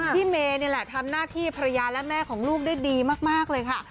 เมย์นี่แหละทำหน้าที่ภรรยาและแม่ของลูกได้ดีมากเลยค่ะ